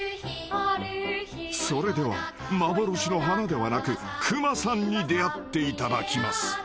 ［それでは幻の花ではなくくまさんに出会っていただきます］